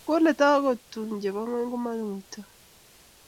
Kole tugun chebo keny komongutoi